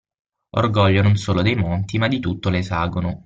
Orgoglio non solo dei monti, ma di tutto l'esagono.